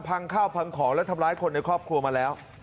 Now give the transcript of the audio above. พังข้าวพังของและทำร้ายคนในครอบครัวมาแล้ว